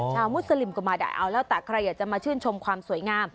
มุสลิมก็มาได้เอาแล้วแต่ใครอยากจะมาชื่นชมความสวยงาม